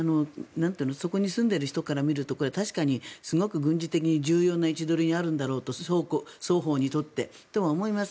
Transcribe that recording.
そこに住んでいる人から見ると確かにすごく軍事的に重要な位置取りにあるんだろうと双方にとってとは思います。